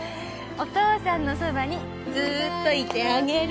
お父さんのそばにずーっといてあげる。